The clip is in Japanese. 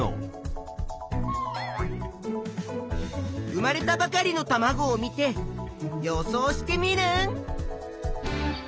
生まれたばかりのたまごを見て予想しテミルン。